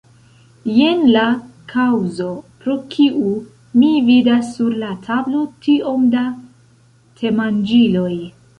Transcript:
Jen la kaŭzo, pro kiu mi vidas sur la tablo tiom da temanĝiloj?